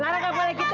lara nggak boleh gitu